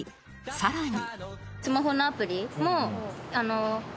さらに